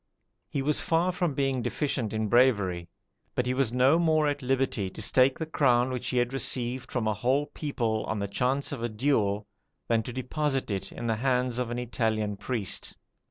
He was far from being deficient in bravery; but he was no more at liberty to stake the crown which he had received from a whole people on the chance of a duel, than to deposit it in the hands of an Italian priest.